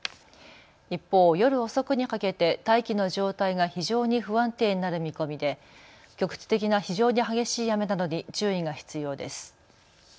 一方、夜遅くにかけて大気の状態が非常に不安定になる見込みで局地的な非常に激しい雨などに注意が必要です。